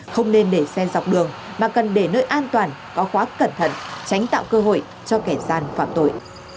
không nên để xen dọc đường mà cần để nơi an toàn có khóa cẩn thận tránh tạo cơ hội cho kẻ gian phạm tội